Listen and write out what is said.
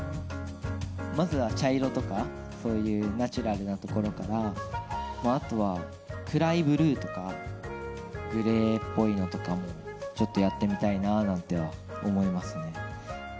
まずは茶色とかそういうナチュラルなところからあとは、暗いブルーとかグレーっぽいのとかもちょっとやってみたいなとは思いますね。